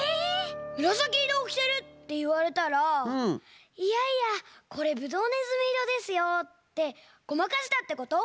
「むらさきいろをきてる！」っていわれたら「いやいやこれぶどうねずみいろですよ」ってごまかしたってこと？